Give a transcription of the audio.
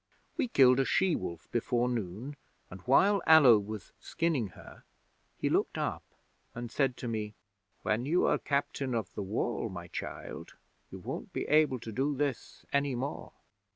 We killed a she wolf before noon, and while Allo was skinning her he looked up and said to me, "When you are Captain of the Wall, my child, you won't be able to do this any more!"